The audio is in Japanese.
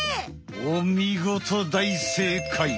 おみごとだいせいかい！